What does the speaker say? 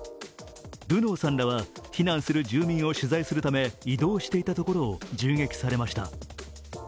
ルノーさんらは、避難する住民を取材するため移動していたところを銃撃されました。